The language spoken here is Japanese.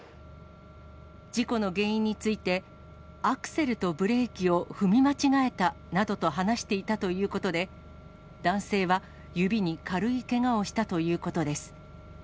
事故の原因について、アクセルとブレーキを踏み間違えたなどと話していたということで、男性は指に軽いけがをしたということです。